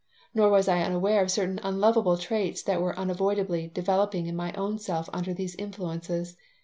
Nor was I unaware of certain unlovable traits that were unavoidably developing in my own self under these influences.